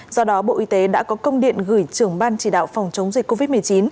do đó bộ y tế đã có công điện gửi trưởng ban chỉ đạo phòng chống dịch covid một mươi chín